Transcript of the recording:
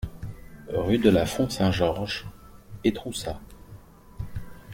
Rue de la Font Saint-Georges, Étroussat